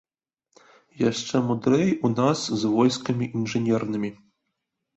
Яшчэ мудрэй у нас з войскамі інжынернымі.